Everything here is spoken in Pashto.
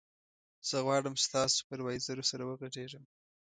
زه غواړم ستا سوپروایزر سره وغږېږم.